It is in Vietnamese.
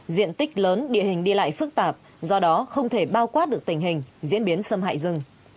diện tích lớn địa hình đi lại phức tạp do đó không thể bao quát được tình hình diễn biến xâm hại rừng